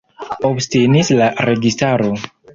Obstinis la registaro.